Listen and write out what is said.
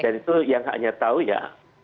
dan itu yang hanya tahu ya